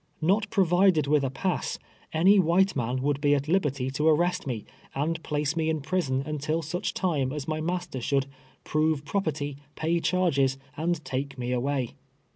ISTot provided with a pass, any white man would be at liberty to arrest me, and place me in prison until such time as my master should' " prove property, pay charges, and take me away."